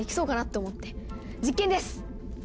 実験です！